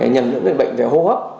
nhầm lẫn đến bệnh về hô hấp